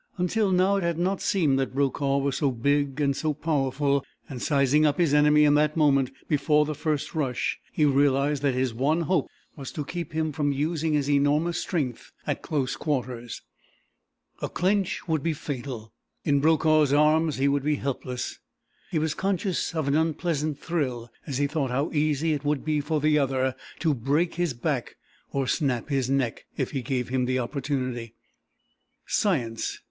Until now it had not seemed that Brokaw was so big and so powerful, and, sizing up his enemy in that moment before the first rush, he realized that his one hope was to keep him from using his enormous strength at close quarters. A clinch would be fatal. In Brokaw's arms he would be helpless; he was conscious of an unpleasant thrill as he thought how easy it would be for the other to break his back, or snap his neck, if he gave him the opportunity. Science!